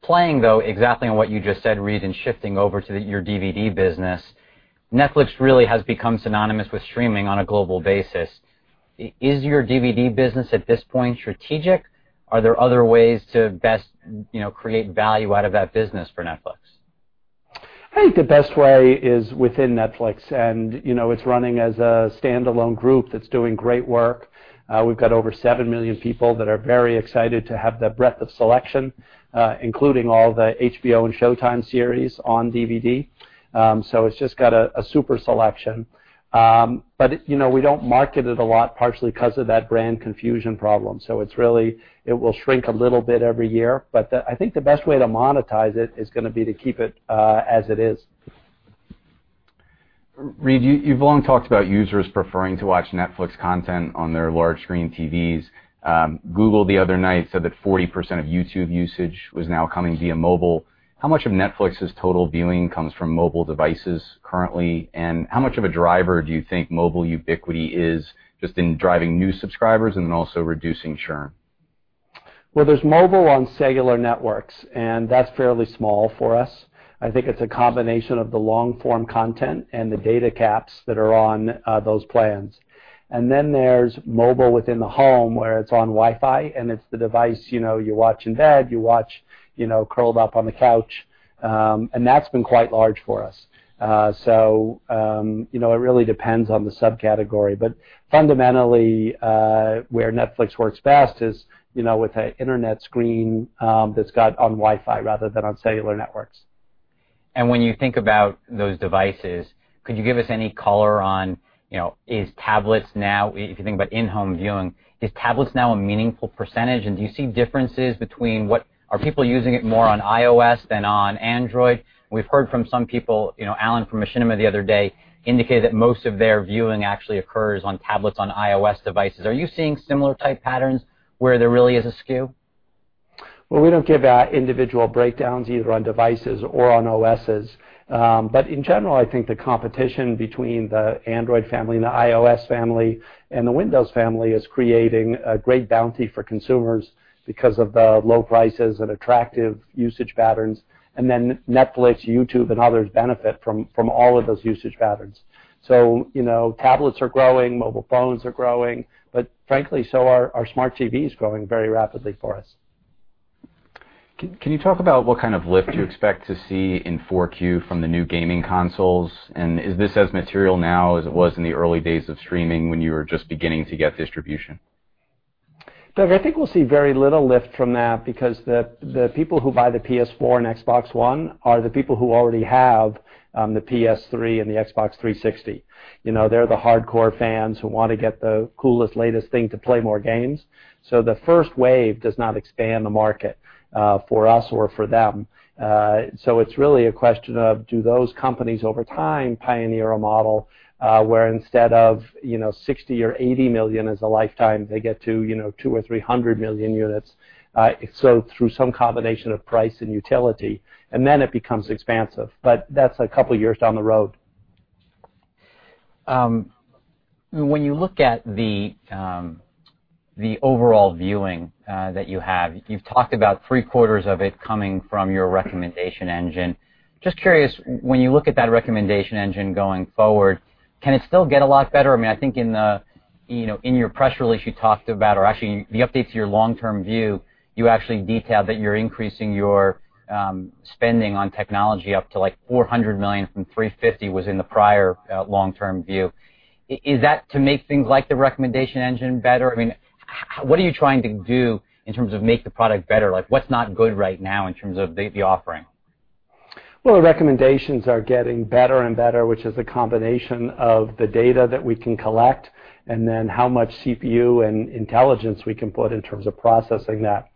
Playing, exactly on what you just said, Reed, shifting over to your DVD business, Netflix really has become synonymous with streaming on a global basis. Is your DVD business at this point strategic? Are there other ways to best create value out of that business for Netflix? I think the best way is within Netflix, it's running as a standalone group that's doing great work. We've got over 7 million people that are very excited to have the breadth of selection, including all the HBO and Showtime series on DVD. It's just got a super selection. We don't market it a lot partially because of that brand confusion problem. It will shrink a little bit every year, I think the best way to monetize it is going to be to keep it as it is. Reed, you've long talked about users preferring to watch Netflix content on their large-screen TVs. Google the other night said that 40% of YouTube usage was now coming via mobile. How much of Netflix's total viewing comes from mobile devices currently, and how much of a driver do you think mobile ubiquity is just in driving new subscribers and then also reducing churn? Well, there's mobile on cellular networks, and that's fairly small for us. I think it's a combination of the long-form content and the data caps that are on those plans. There's mobile within the home, where it's on Wi-Fi and it's the device you watch in bed, you watch curled up on the couch. That's been quite large for us. It really depends on the subcategory, fundamentally, where Netflix works best is with an internet screen that's got on Wi-Fi rather than on cellular networks. When you think about those devices, could you give us any color on, if you think about in-home viewing, is tablets now a meaningful percentage? Are people using it more on iOS than on Android? We've heard from some people, Allen from Machinima the other day indicated that most of their viewing actually occurs on tablets on iOS devices. Are you seeing similar type patterns where there really is a skew? Well, we don't give individual breakdowns either on devices or on OSs. In general, I think the competition between the Android family and the iOS family and the Windows family is creating a great bounty for consumers because of the low prices and attractive usage patterns. Netflix, YouTube, and others benefit from all of those usage patterns. Tablets are growing, mobile phones are growing, but frankly, so are smart TVs growing very rapidly for us. Can you talk about what kind of lift you expect to see in 4Q from the new gaming consoles? Is this as material now as it was in the early days of streaming when you were just beginning to get distribution? Doug, I think we'll see very little lift from that because the people who buy the PS4 and Xbox One are the people who already have the PS3 and the Xbox 360. They're the hardcore fans who want to get the coolest, latest thing to play more games. The first wave does not expand the market for us or for them. It's really a question of do those companies, over time, pioneer a model where instead of 60 or 80 million as a lifetime, they get to 2 or 300 million units. Through some combination of price and utility, it becomes expansive. That's a couple of years down the road. When you look at the overall viewing that you have, you've talked about three-quarters of it coming from your recommendation engine. Just curious, when you look at that recommendation engine going forward, can it still get a lot better? I think in your press release you talked about, or actually the update to your long-term view, you actually detailed that you're increasing your spending on technology up to like $400 million from $350 was in the prior long-term view. Is that to make things like the recommendation engine better? What are you trying to do in terms of make the product better? What's not good right now in terms of the offering? Well, the recommendations are getting better and better, which is a combination of the data that we can collect and then how much CPU and intelligence we can put in terms of processing that.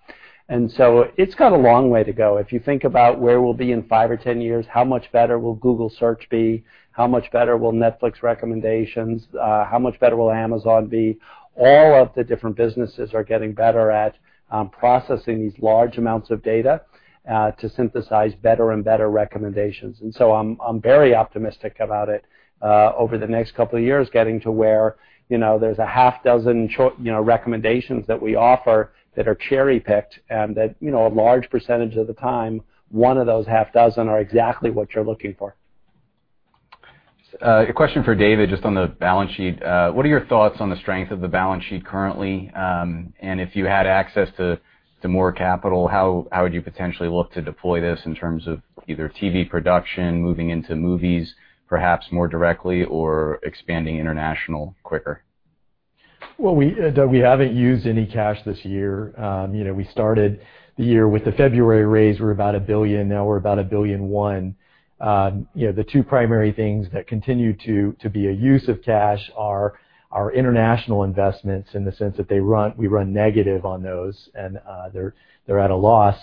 It's got a long way to go. If you think about where we'll be in five or 10 years, how much better will Google Search be? How much better will Netflix recommendations? How much better will Amazon be? All of the different businesses are getting better at processing these large amounts of data, to synthesize better and better recommendations. I'm very optimistic about it over the next couple of years, getting to where there's a half dozen recommendations that we offer that are cherry-picked and that, a large percentage of the time, one of those half dozen are exactly what you're looking for. A question for David, just on the balance sheet. What are your thoughts on the strength of the balance sheet currently? If you had access to more capital, how would you potentially look to deploy this in terms of either TV production, moving into movies perhaps more directly, or expanding international quicker? Well, we haven't used any cash this year. We started the year with the February raise. We were about $1 billion. Now we're about $1 billion and one. The two primary things that continue to be a use of cash are our international investments in the sense that we run negative on those, and they're at a loss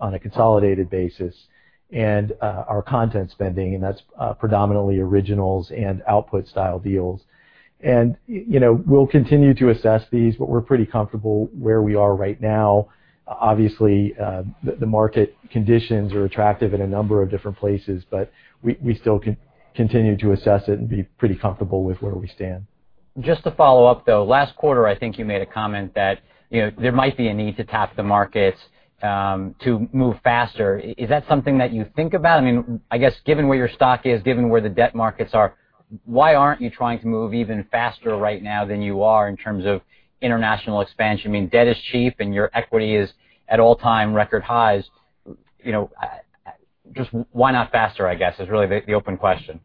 on a consolidated basis. Our content spending, and that's predominantly originals and output style deals. We'll continue to assess these, but we're pretty comfortable where we are right now. Obviously, the market conditions are attractive in a number of different places, but we still continue to assess it and be pretty comfortable with where we stand. Just to follow up, though, last quarter, I think you made a comment that there might be a need to tap the markets to move faster. Is that something that you think about? I guess, given where your stock is, given where the debt markets are, why aren't you trying to move even faster right now than you are in terms of international expansion? I mean, debt is cheap and your equity is at all-time record highs. Just why not faster, I guess, is really the open question.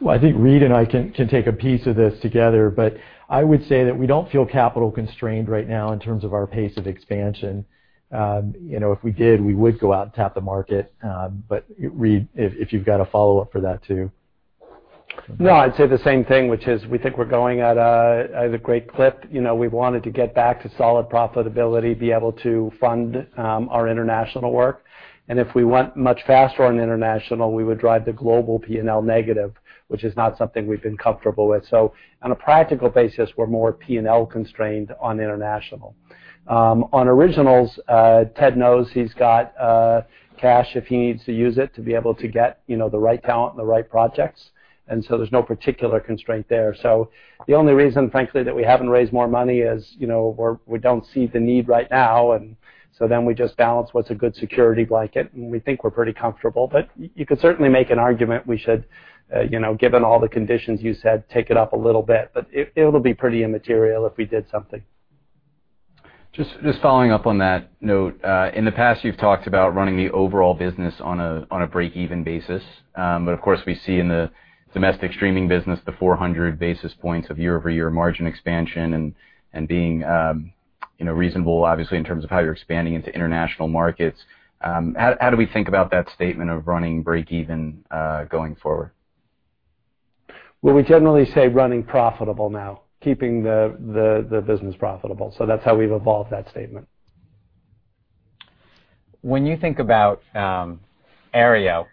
Well, I think Reed and I can take a piece of this together, but I would say that we don't feel capital constrained right now in terms of our pace of expansion. If we did, we would go out and tap the market. Reed, if you've got a follow-up for that, too. No, I'd say the same thing, which is we think we're going at a great clip. We wanted to get back to solid profitability, be able to fund our international work, and if we went much faster on international, we would drive the global P&L negative, which is not something we've been comfortable with. On a practical basis, we're more P&L constrained on international. On originals, Ted knows he's got cash if he needs to use it to be able to get the right talent and the right projects, there's no particular constraint there. The only reason, frankly, that we haven't raised more money is we don't see the need right now. We just balance what's a good security blanket, and we think we're pretty comfortable. You could certainly make an argument we should, given all the conditions you said, take it up a little bit. It'll be pretty immaterial if we did something. Just following up on that note. In the past, you've talked about running the overall business on a breakeven basis. Of course, we see in the domestic streaming business the 400 basis points of year-over-year margin expansion and being reasonable, obviously, in terms of how you're expanding into international markets. How do we think about that statement of running breakeven going forward? Well, we generally say running profitable now. Keeping the business profitable. That's how we've evolved that statement. When you think about Aereo,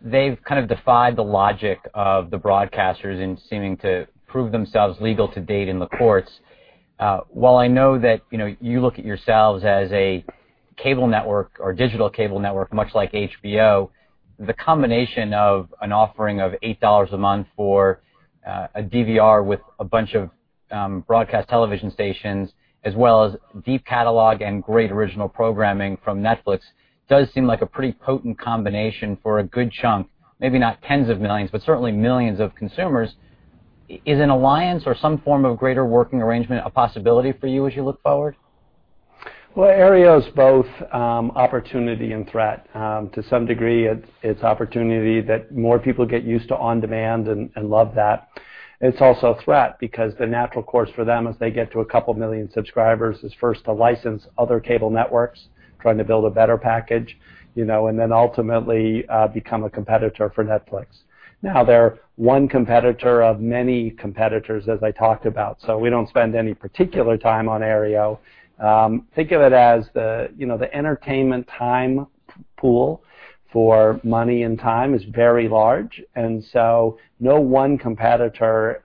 they've kind of defied the logic of the broadcasters in seeming to prove themselves legal to date in the courts. While I know that you look at yourselves as a cable network or digital cable network, much like HBO, the combination of an offering of $8 a month for a DVR with a bunch of broadcast television stations as well as deep catalog and great original programming from Netflix does seem like a pretty potent combination for a good chunk, maybe not tens of millions, but certainly millions of consumers. Is an alliance or some form of greater working arrangement a possibility for you as you look forward? Well, Aereo's both opportunity and threat. To some degree, it's opportunity that more people get used to on-demand and love that. It's also a threat because the natural course for them as they get to a couple million subscribers is first to license other cable networks trying to build a better package, and then ultimately become a competitor for Netflix. They're one competitor of many competitors, as I talked about, so we don't spend any particular time on Aereo. Think of it as the entertainment time pool for money and time is very large, and so no one competitor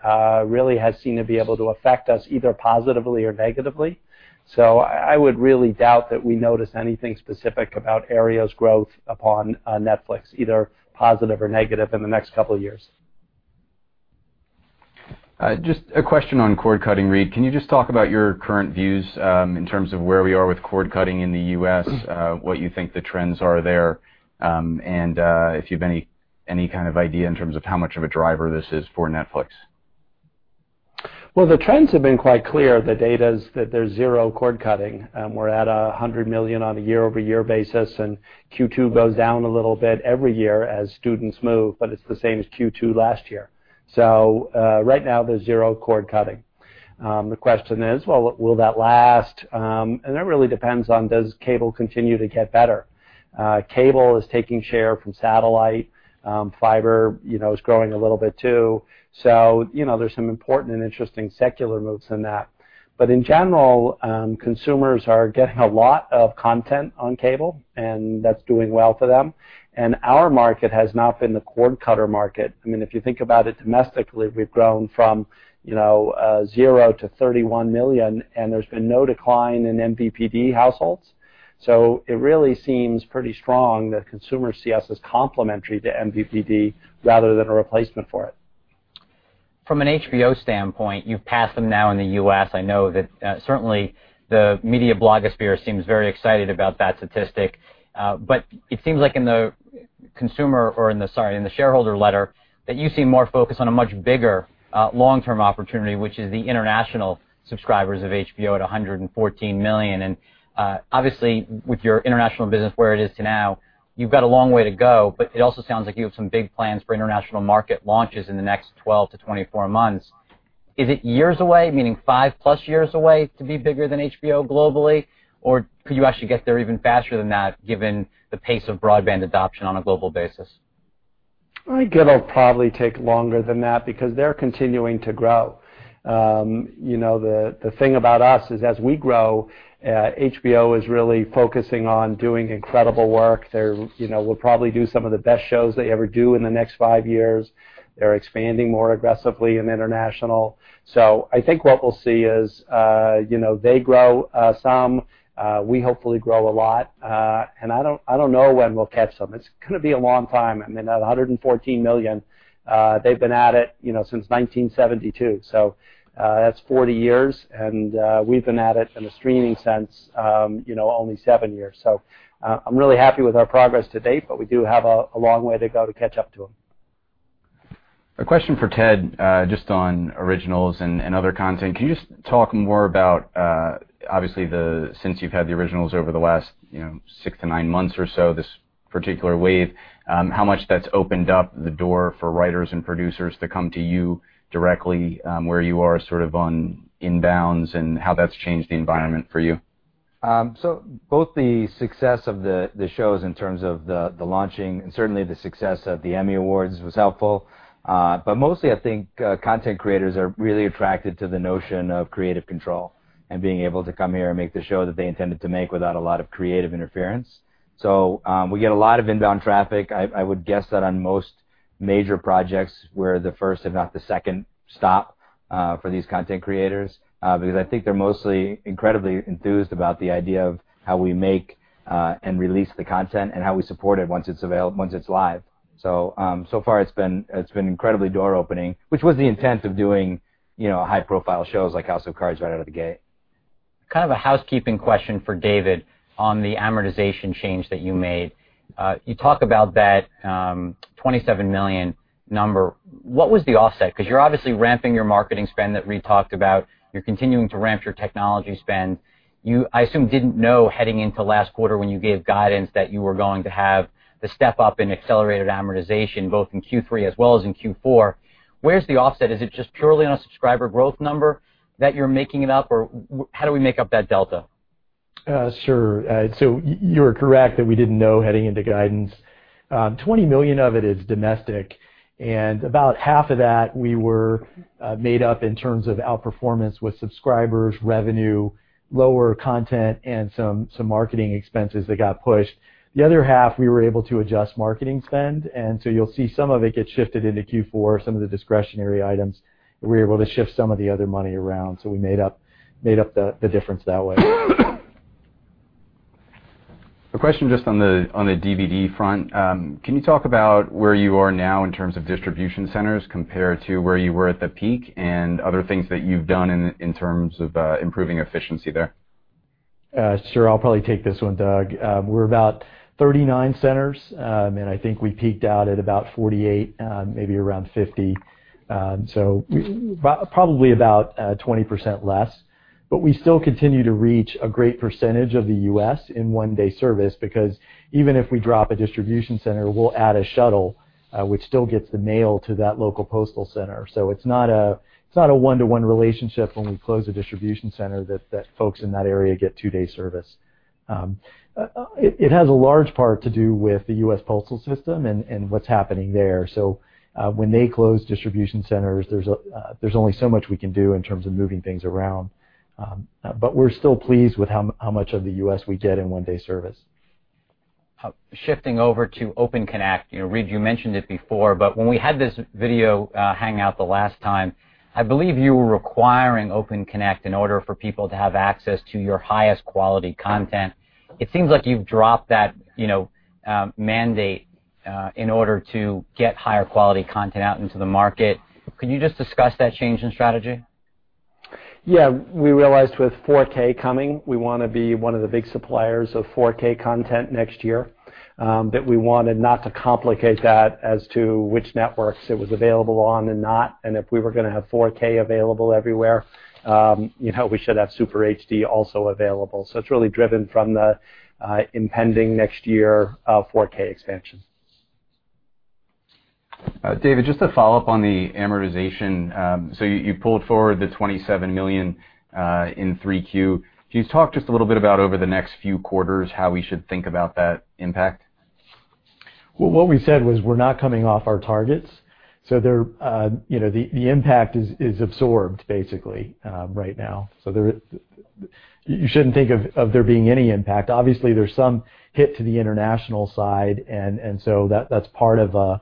really has seemed to be able to affect us, either positively or negatively. I would really doubt that we notice anything specific about Aereo's growth upon Netflix, either positive or negative in the next couple of years. Just a question on cord cutting, Reed. Can you just talk about your current views in terms of where we are with cord cutting in the U.S., what you think the trends are there, and if you have any kind of idea in terms of how much of a driver this is for Netflix? Well, the trends have been quite clear. The data is that there's zero cord cutting. We're at 100 million on a year-over-year basis, and Q2 goes down a little bit every year as students move, but it's the same as Q2 last year. Right now, there's zero cord cutting. The question is: Well, will that last? That really depends on does cable continue to get better? Cable is taking share from satellite. Fiber is growing a little bit, too. There's some important and interesting secular moves in that. In general, consumers are getting a lot of content on cable, and that's doing well for them. Our market has not been the cord cutter market. If you think about it domestically, we've grown from zero to 31 million, and there's been no decline in MVPD households. It really seems pretty strong that consumers see us as complementary to MVPD rather than a replacement for it. From an HBO standpoint, you've passed them now in the U.S. I know that certainly the media blogosphere seems very excited about that statistic. It seems like in the shareholder letter, that you seem more focused on a much bigger, long-term opportunity, which is the international subscribers of HBO at 114 million. Obviously, with your international business where it is to now, you've got a long way to go. It also sounds like you have some big plans for international market launches in the next 12 to 24 months. Is it years away, meaning 5+ years away to be bigger than HBO globally? Could you actually get there even faster than that, given the pace of broadband adoption on a global basis? I think it'll probably take longer than that because they're continuing to grow. The thing about us is as we grow, HBO is really focusing on doing incredible work. They will probably do some of the best shows they ever do in the next five years. They're expanding more aggressively in international. I think what we'll see is, they grow some, we hopefully grow a lot. I don't know when we'll catch them. It's going to be a long time. I mean, that $114 million, they've been at it since 1972. That's 40 years, and we've been at it in a streaming sense only seven years. I'm really happy with our progress to date, but we do have a long way to go to catch up to them. A question for Ted, just on originals and other content. Can you just talk more about, obviously, since you've had the originals over the last six to nine months or so, this particular wave, how much that's opened up the door for writers and producers to come to you directly, where you are sort of on inbounds and how that's changed the environment for you? Both the success of the shows in terms of the launching and certainly the success of the Emmy Awards was helpful. Mostly, I think, content creators are really attracted to the notion of creative control and being able to come here and make the show that they intended to make without a lot of creative interference. We get a lot of inbound traffic. I would guess that on most major projects, we're the first, if not the second stop for these content creators. I think they're mostly incredibly enthused about the idea of how we make, and release the content and how we support it once it's live. So far it's been incredibly door-opening, which was the intent of doing high-profile shows like "House of Cards" right out of the gate. Kind of a housekeeping question for David on the amortization change that you made. You talk about that $27 million number. What was the offset? You're obviously ramping your marketing spend that Reed talked about. You're continuing to ramp your technology spend. You, I assume, didn't know heading into last quarter when you gave guidance that you were going to have the step-up in accelerated amortization both in Q3 as well as in Q4. Where's the offset? Is it just purely on a subscriber growth number that you're making it up? How do we make up that delta? Sure. You're correct that we didn't know heading into guidance. $20 million of it is domestic, and about half of that we were made up in terms of outperformance with subscribers, revenue, lower content, and some marketing expenses that got pushed. The other half, we were able to adjust marketing spend. You'll see some of it get shifted into Q4, some of the discretionary items. We were able to shift some of the other money around, so we made up the difference that way. A question just on the DVD front. Can you talk about where you are now in terms of distribution centers compared to where you were at the peak and other things that you've done in terms of improving efficiency there? Sure. I'll probably take this one, Doug. We're about 39 centers. I think we peaked out at about 48, maybe around 50. Probably about 20% less. We still continue to reach a great percentage of the U.S. in one-day service because even if we drop a distribution center, we'll add a shuttle, which still gets the mail to that local postal center. It's not a one-to-one relationship when we close a distribution center that folks in that area get two-day service. It has a large part to do with the U.S. Postal Service and what's happening there. When they close distribution centers, there's only so much we can do in terms of moving things around. We're still pleased with how much of the U.S. we get in one-day service. Shifting over to Open Connect. Reed, you mentioned it before. When we had this video hangout the last time, I believe you were requiring Open Connect in order for people to have access to your highest-quality content. It seems like you've dropped that mandate in order to get higher-quality content out into the market. Could you just discuss that change in strategy? Yeah. We realized with 4K coming, we want to be one of the big suppliers of 4K content next year, that we wanted not to complicate that as to which networks it was available on and not. If we were going to have 4K available everywhere, we should have Super HD also available. It's really driven from the impending next year of 4K expansion. David, just to follow up on the amortization. You pulled forward the $27 million in 3Q. Can you talk just a little bit about over the next few quarters how we should think about that impact? Well, what we said was we're not coming off our targets. The impact is absorbed, basically, right now. You shouldn't think of there being any impact. Obviously, there's some hit to the international side, that's part of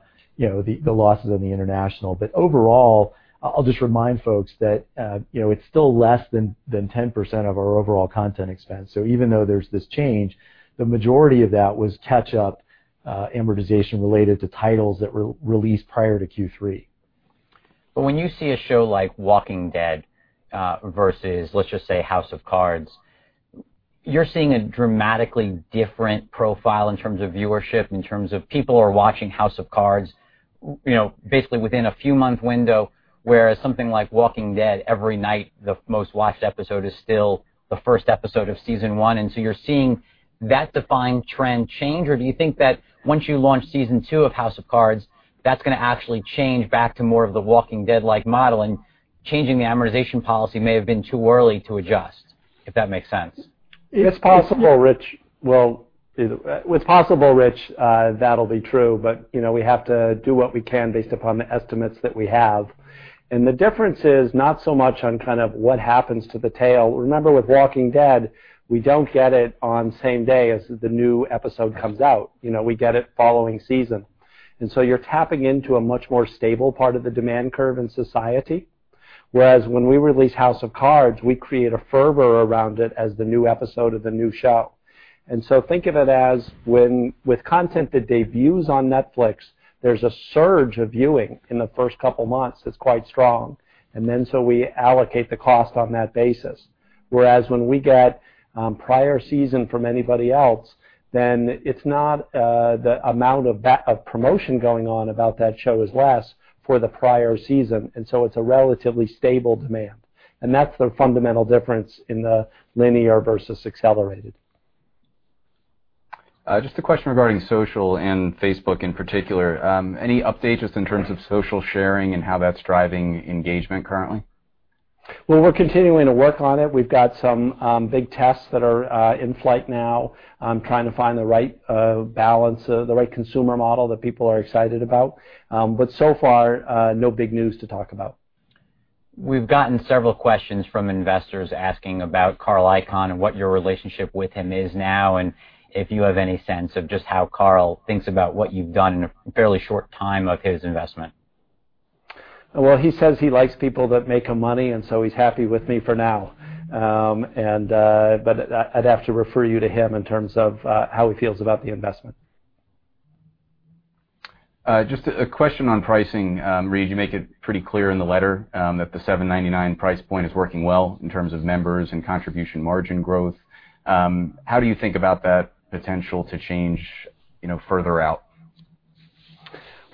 the losses on the international. Overall, I'll just remind folks that it's still less than 10% of our overall content expense. Even though there's this change, the majority of that was catch-up amortization related to titles that were released prior to Q3. When you see a show like "Walking Dead" versus, let's just say, "House of Cards," you're seeing a dramatically different profile in terms of viewership, in terms of people are watching "House of Cards" basically within a few-month window, whereas something like "Walking Dead," every night, the most-watched episode is still the first episode of Season 1. You're seeing that defined trend change, or do you think that once you launch Season 2 of "House of Cards," that's going to actually change back to more of "The Walking Dead"-like model and changing the amortization policy may have been too early to adjust? If that makes sense. It's possible, Rich, that'll be true, but we have to do what we can based upon the estimates that we have. The difference is not so much on kind of what happens to the tail. Remember, with "Walking Dead," we don't get it on the same day as the new episode comes out. We get it following season. You're tapping into a much more stable part of the demand curve in society, whereas when we release "House of Cards," we create a fervor around it as the new episode of the new show. Think of it as when with content that debuts on Netflix, there's a surge of viewing in the first couple of months that's quite strong. We allocate the cost on that basis, whereas when we get prior season from anybody else, then the amount of promotion going on about that show is less for the prior season. It's a relatively stable demand, and that's the fundamental difference in the linear versus accelerated. Just a question regarding social and Facebook in particular. Any update just in terms of social sharing and how that's driving engagement currently? Well, we're continuing to work on it. We've got some big tests that are in flight now trying to find the right balance, the right consumer model that people are excited about. So far, no big news to talk about. We've gotten several questions from investors asking about Carl Icahn and what your relationship with him is now, and if you have any sense of just how Carl thinks about what you've done in a fairly short time of his investment. Well, he says he likes people that make him money, he's happy with me for now. I'd have to refer you to him in terms of how he feels about the investment. Just a question on pricing, Reed. You make it pretty clear in the letter that the $7.99 price point is working well in terms of members and contribution margin growth. How do you think about that potential to change further out?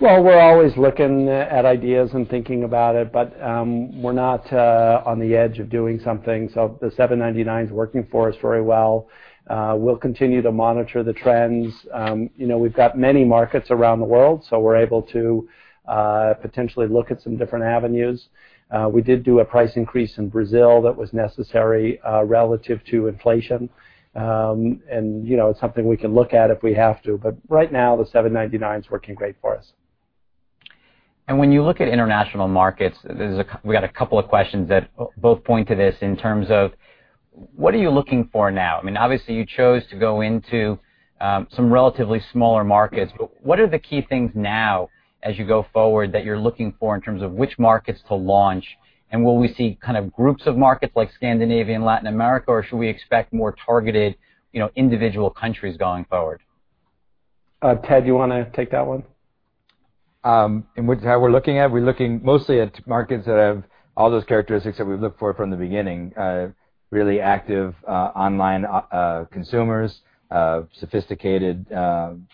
Well, we're always looking at ideas and thinking about it, we're not on the edge of doing something. The $7.99 is working for us very well. We'll continue to monitor the trends. We've got many markets around the world, we're able to potentially look at some different avenues. We did do a price increase in Brazil that was necessary relative to inflation. It's something we can look at if we have to. Right now, the $7.99's working great for us. When you look at international markets, we got a couple of questions that both point to this in terms of what are you looking for now? Obviously, you chose to go into some relatively smaller markets, but what are the key things now as you go forward that you're looking for in terms of which markets to launch? Will we see kind of groups of markets like Scandinavia and Latin America, or should we expect more targeted individual countries going forward? Ted, do you want to take that one? We're looking mostly at markets that have all those characteristics that we've looked for from the beginning. Really active online consumers, sophisticated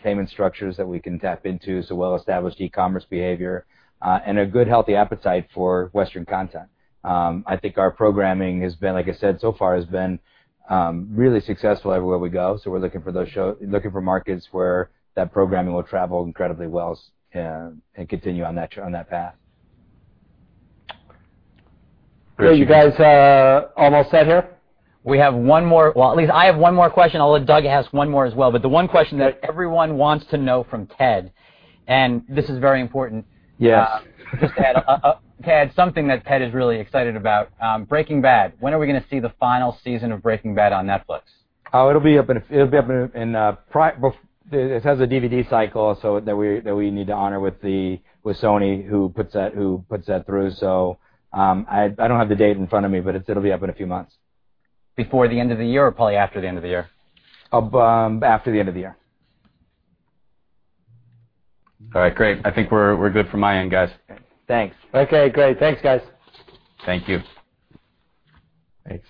payment structures that we can tap into, so well-established e-commerce behavior, and a good, healthy appetite for Western content. I think our programming has been, like I said, so far has been really successful everywhere we go, so we're looking for markets where that programming will travel incredibly well and continue on that path. Great. Thank you. You guys almost set here? We have one more. Well, at least I have one more question. I'll let Doug ask one more as well. The one question that everyone wants to know from Ted, and this is very important. Yes. Ted, something that Ted is really excited about. Breaking Bad. When are we going to see the final season of Breaking Bad on Netflix? It has a DVD cycle, so that we need to honor with Sony, who puts that through. I don't have the date in front of me, but it'll be up in a few months. Before the end of the year or probably after the end of the year? After the end of the year. All right, great. I think we're good from my end, guys. Thanks. Okay, great. Thanks, guys. Thank you. Thanks.